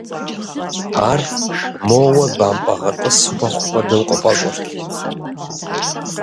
Ар моуэ бампӏэ гъэтӏыс хуэхъу хуэдэу къыфӏэщӏырт.